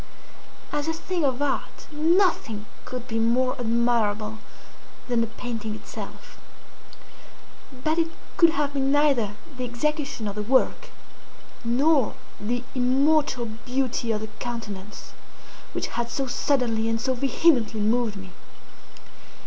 As a thing of art nothing could be more admirable than the painting itself. But it could have been neither the execution of the work, nor the immortal beauty of the countenance, which had so suddenly and so vehemently moved me.